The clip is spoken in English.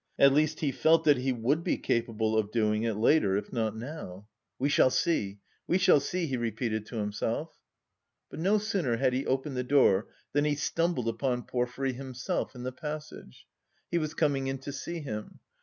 At least he felt that he would be capable of doing it later, if not now. "We shall see, we shall see," he repeated to himself. But no sooner had he opened the door than he stumbled upon Porfiry himself in the passage. He was coming in to see him.